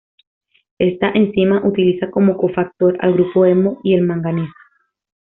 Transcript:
Esta enzima utiliza como cofactor al grupo hemo y al manganeso.